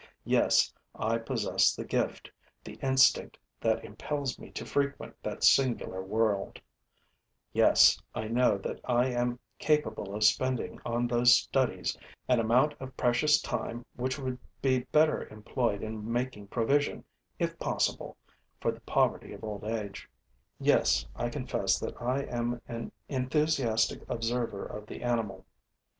Yes, I possess the gift, the instinct that impels me to frequent that singular world; yes, I know that I am capable of spending on those studies an amount of precious time which would be better employed in making provision, if possible, for the poverty of old age; yes, I confess that I am an enthusiastic observer of the animal.